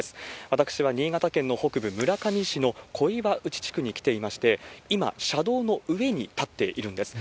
私は新潟県の北部、村上市の小岩内地区に来ていまして、今、車道の上に立っているんです。